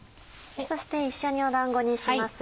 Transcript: そして一緒にだんごにします